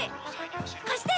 貸して！